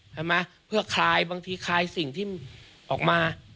ใช่ไหมเพื่อคลายบางทีคลายสิ่งที่ออกมา